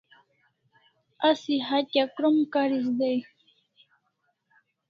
Asi hatya krom karis dai